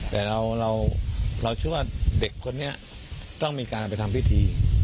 แต่เราเชื่อว่าเด็กคนนี้ต้องมีการไปทำพิธี